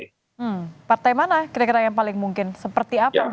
hmm partai mana kira kira yang paling mungkin seperti apa